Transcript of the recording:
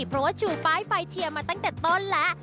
เพราะว่าชูป้ายไฟเชียร์มาตั้งแต่ต้นแล้ว